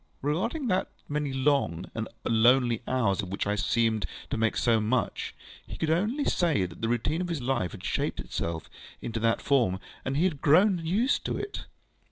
Regarding those many long and lonely hours of which I seemed to make so much, he could only say that the routine of his life had shaped itself into that form, and he had grown used to it.